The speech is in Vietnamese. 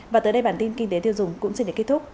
và tới đây bản tin kinh tế tiêu dùng cũng xin để kết thúc